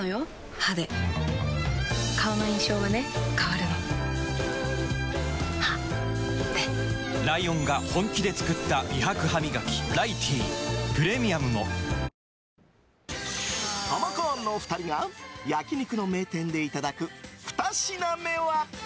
歯で顔の印象はね変わるの歯でライオンが本気で作った美白ハミガキ「ライティー」プレミアムもハマカーンの２人が焼き肉の名店でいただく２品目は。